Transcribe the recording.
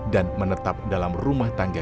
dan menetap dalam rumah tangga